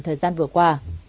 thời gian vừa qua